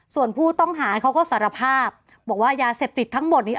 ส่วนผู้ต้องหาเขาก็สารภาพบอกว่ายาเสพติดทั้งหมดนี้